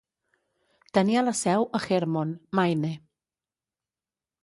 Tenia la seu a Hermon, Maine.